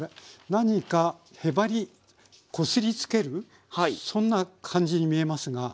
何かへばりこすりつけるそんな感じに見えますが。